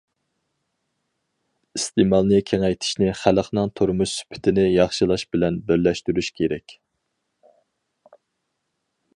ئىستېمالنى كېڭەيتىشنى خەلقنىڭ تۇرمۇش سۈپىتىنى ياخشىلاش بىلەن بىرلەشتۈرۈش كېرەك.